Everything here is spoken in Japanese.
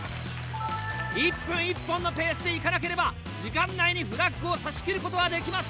１分１本のペースでいかなければ時間内にフラッグをさしきることはできません。